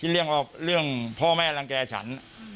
ที่เรียกว่าเรื่องพ่อแม่รังแก่ฉัน